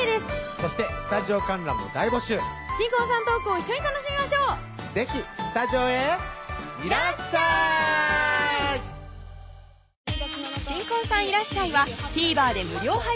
そしてスタジオ観覧も大募集新婚さんのトークを一緒に楽しみましょう是非スタジオへいらっしゃい新婚さんいらっしゃい！はＴＶｅｒ